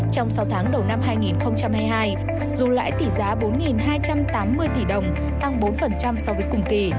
trong sáu tháng đầu năm hai nghìn hai mươi hai dù lãi tỷ giá bốn hai trăm tám mươi tỷ đồng tăng bốn so với cùng kỳ